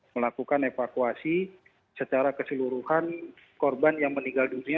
melakukan evakuasi secara keseluruhan korban yang meninggal dunia